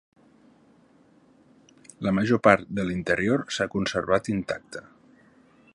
La major part de l'interior s'ha conservat intacte.